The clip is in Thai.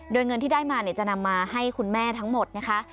โดยเงินที่ได้มาจะนำมาให้คุณแม่ทั้งหมดนะคะ